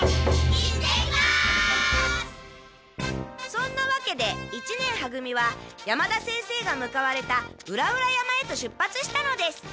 そんなわけで一年は組は山田先生が向かわれた裏々山へと出発したのです。